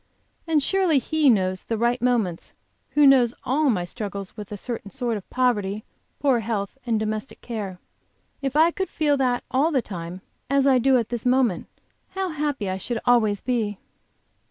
And surely He knows the right moments who knows all my struggles with a certain sort of poverty, poor health and domestic care. If I could feel that all the time, as I do at this moment, how happy I should always be!